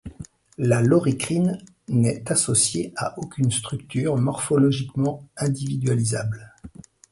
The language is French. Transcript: La loricrine n'est associée à aucune structure morphologiquement individualisable.